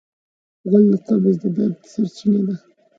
غول د قبض د درد سرچینه ده.